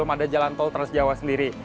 ada jalan tol trans jawa sendiri